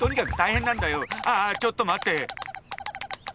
ああちょっと待って！